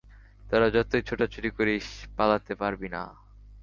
তোরা যতোই ছুটোছুটি করিস, পালাতে পারবি না!